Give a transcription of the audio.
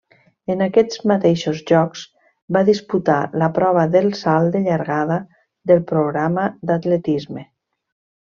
En aquests mateixos Jocs va disputar la prova del salt de llargada del programa d'atletisme.